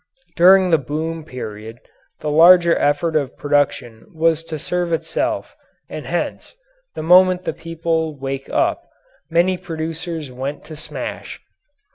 During the boom period the larger effort of production was to serve itself and hence, the moment the people woke up, many producers went to smash.